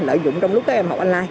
lợi dụng trong lúc các em học online